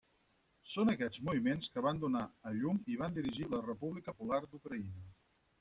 Són aquests moviments que van donar a llum i van dirigir la República Popular d'Ucraïna.